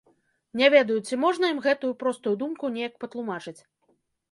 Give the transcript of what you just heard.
Не ведаю, ці можна ім гэтую простую думку неяк патлумачыць.